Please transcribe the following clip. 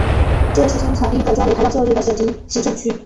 这是清朝第一个专为台湾设置的省级行政区。